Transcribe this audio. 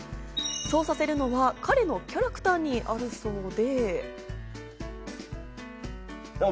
そうさせるのは、彼のキャラクターにあるそうで。